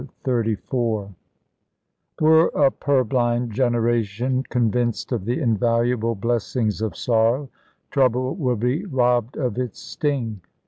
CHAPTER XXXIV Were a purblind generation convinced of the invaluable blessings of sorrow, trouble would be robbed of its sting.